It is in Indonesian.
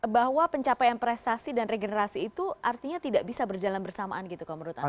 bahwa pencapaian prestasi dan regenerasi itu artinya tidak bisa berjalan bersamaan gitu kalau menurut anda